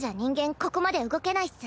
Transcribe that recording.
ここまで動けないっス。